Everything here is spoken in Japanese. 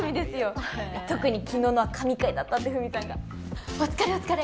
特に昨日のは神回だったって富美さんが。お疲れお疲れ。